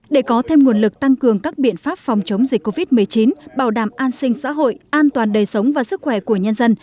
để có thêm nguồn lực tăng cường các biện pháp phòng chống dịch covid một mươi chín bảo đảm an sinh xã hội an toàn đời sống và sức khỏe của nhân dân